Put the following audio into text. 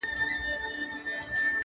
اره اره سي نجارانو ته ځي!.